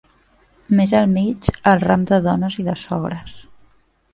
Més al mig, el ram de dones i de sogres